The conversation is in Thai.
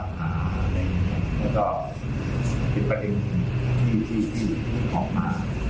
ที่เจอที่เห็นอาวุธที่กล้าจะเชื่อว่าเป็นอาวุธที่ใช้ทางความผิด